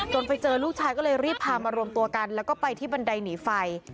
ไปเจอลูกชายก็เลยรีบพามารวมตัวกันแล้วก็ไปที่บันไดหนีไฟ